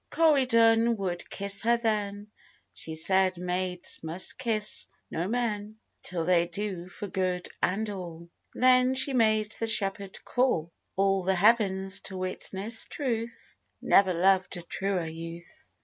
Corydon would kiss her then, She said, maids must kiss no men, Till they do for good and all; Then she made the shepherd call All the heavens to witness truth, Never loved a truer youth.